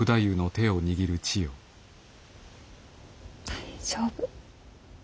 大丈夫。